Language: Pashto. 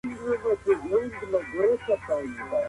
ډیپلوماسي د جنګ د پای ته رسولو وسیله وه.